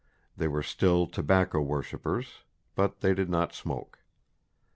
They were still tobacco worshippers; but they did not smoke.